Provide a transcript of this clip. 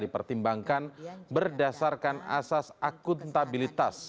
dipertimbangkan berdasarkan asas akuntabilitas